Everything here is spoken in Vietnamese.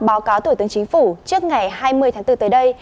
báo cáo thủ tướng chính phủ trước ngày hai mươi tháng bốn tới đây